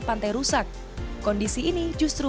pantai rusak kondisi ini justru